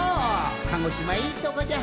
鹿児島いいとこじゃ。